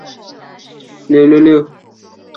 阿田和站纪势本线的铁路车站。